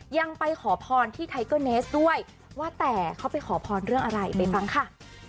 ยังไปขอพรที่ไทเกอร์เนสด้วยว่าแต่เขาไปขอพรเรื่องอะไรไปฟังค่ะ